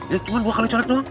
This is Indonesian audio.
ya cuma dua kali coret doang